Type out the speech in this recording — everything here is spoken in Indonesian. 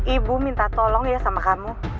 ibu minta tolong ya sama kamu